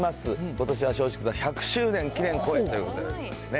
ことしは松竹座１００周年記念公演ということでございますね。